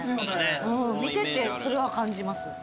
うん見ててそれは感じます。